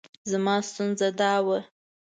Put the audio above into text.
زما ستونزه دا وه.